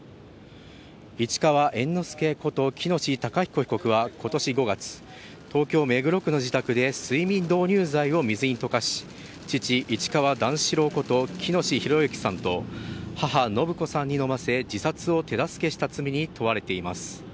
市川猿之助こと喜熨斗孝彦被告は今年５月東京・目黒区の自宅で睡眠導入剤を水に溶かし父・市川段四郎こと喜熨斗弘之さんと母・延子さんに飲ませ自殺を手助けした罪に問われています。